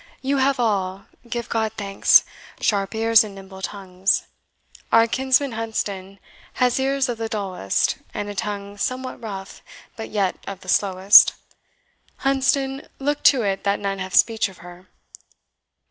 You have all (give God thanks) sharp ears and nimble tongues; our kinsman Hunsdon has ears of the dullest, and a tongue somewhat rough, but yet of the slowest. Hunsdon, look to it that none have speech of her."